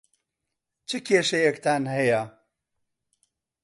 چ کێشەیەکتان هەیە؟